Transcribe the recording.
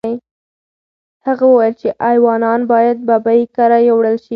هغه وویل چې ایوانان باید ببۍ کره یوړل شي.